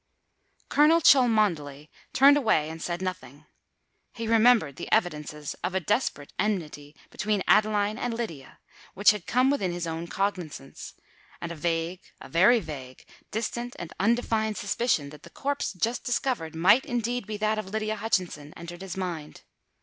Colonel Cholmondeley turned away, and said nothing: he remembered the evidences of desperate enmity between Adeline and Lydia, which had come within his own cognisance; and a vague—a very vague, distant, and undefined suspicion that the corpse just discovered might indeed be that of Lydia Hutchinson, entered his mind.